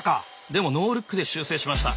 でもノールックで修正しました。